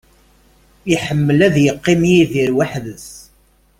Iḥemmel ad yeqqim Yidir weḥd-s.